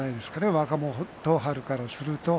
若元春からするとね。